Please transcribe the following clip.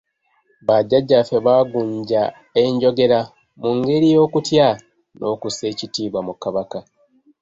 Bajjajjaffe baagunja enjogera mu ngeri y’okutya n’okussa ekitiibwa mu Kabaka.